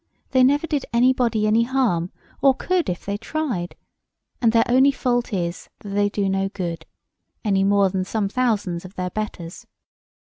They never did anybody any harm, or could if they tried; and their only fault is, that they do no good—any more than some thousands of their betters.